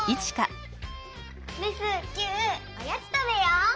レスキューおやつ食べよう！